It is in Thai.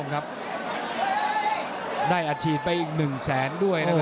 โอ้โหโอ้โหโอ้โห